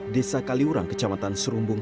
desa kaliurang kecamatan serumbung